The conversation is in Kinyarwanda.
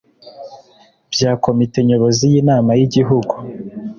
bya komite nyobozi y inama y igihugu